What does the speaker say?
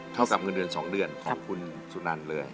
เท่ากับเงินเดือน๒เดือนของคุณสุนันเลย